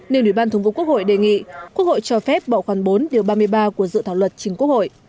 nếu ủy ban thường vụ quốc hội đề nghị quốc hội cho phép bỏ khoản bốn điều ba mươi ba của dự thảo luật chính quốc hội